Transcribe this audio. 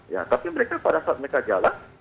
ya tapi mereka pada saat mereka jalan